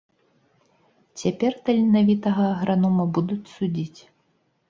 Цяпер таленавітага агранома будуць судзіць.